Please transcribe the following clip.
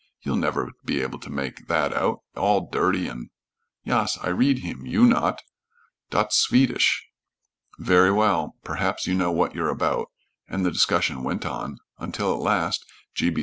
"You'll never be able to make that out, all dirty and " "Yas, I read heem, you not, dot's Swedish." "Very well. Perhaps you know what you're about," and the discussion went on, until at last G. B.